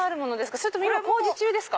それとも工事中ですか？